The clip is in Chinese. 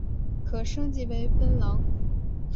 可升级成奔狼。